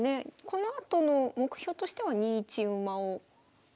このあとの目標としては２一馬を寄ったり。